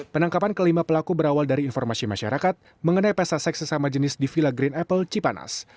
penangkapan kelima pelaku berawal dari informasi masyarakat mengenai pesta seks sesama jenis di villa green apple cipanas